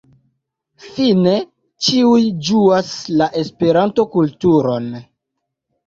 Fine ĉiuj ĝuas la Esperanto-kulturon.